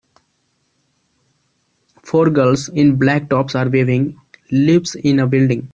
Four girls in black tops are weaving leaves in a building.